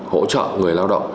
hỗ trợ người lao động